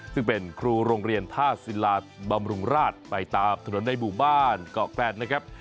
ซึ่งเป็นครูโรงเรียนท่าศิลาบำรุงราชไปตามถนนในหมู่บ้านเกาะแกรนนะครับ